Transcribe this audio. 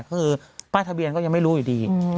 คือป้ายทะเบียนก็ยังไม่รู้อยู่ดี